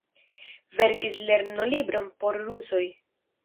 Verkis lernolibron por rusoj.